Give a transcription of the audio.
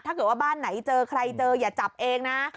ถ้าเกิดว่าบ้านไหนเจอใครเจออย่าจับเองนะ